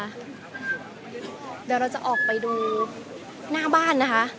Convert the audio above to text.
เดี๋ยวเราจะออกไปดูหน้าบ้านนะคะ